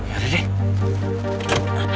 ya udah deh